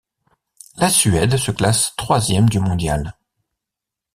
La Suède se classe troisième du mondial.